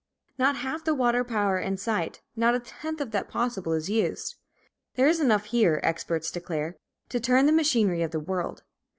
Not half the water power in sight, not a tenth of that possible is used. There is enough here, experts declare, to turn the machinery of the world.